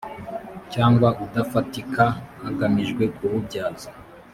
cyangwa udafatika hagamijwe kuwubyaza